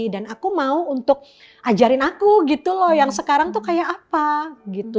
dan aku mau untuk ajarin aku gitu loh yang sekarang tuh kayak apa gitu